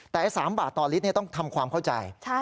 แต่๓บาทต่อลิตรต้องทำความเข้าใจ